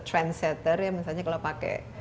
trendsetter misalnya kalau pakai